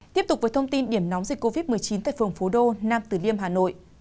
tiếp tục với thông tin điểm nóng dịch covid một mươi chín tại phường phú đô nam tử liêm hà nội